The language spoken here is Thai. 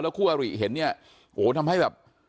แล้วคู่อาริเห็นเนี่ยโหทำให้แบบ